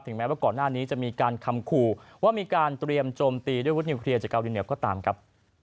แม้ว่าก่อนหน้านี้จะมีการคำขู่ว่ามีการเตรียมโจมตีด้วยวุฒนิวเคลียร์จากเกาหลีเหนือก็ตามครับ